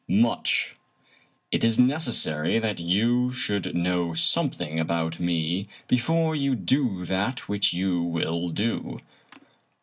" Much. It is necessary that you should know something about me before you do that which you will do."